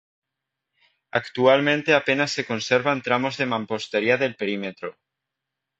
Actualmente apenas se conservan tramos de mampostería del perímetro.